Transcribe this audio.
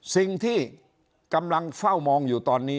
สิ่งที่กำลังเฝ้ามองอยู่ตอนนี้